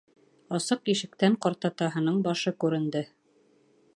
Асыҡ ишектән ҡартатаһының башы күренде.